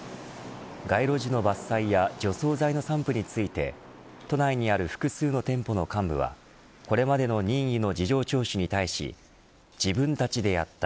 街路樹の伐採や除草剤の散布について都内にある複数の店舗の幹部はこれまでの任意の事情聴取に対し自分たちでやった。